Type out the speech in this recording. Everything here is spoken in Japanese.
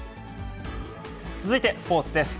続いてスポーツです。